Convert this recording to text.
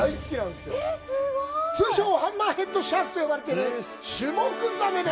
通称ハンマーヘッドシャークと呼ばれているシュモクザメ。